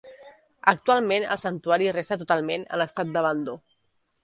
Actualment el santuari resta totalment en estat d'abandó.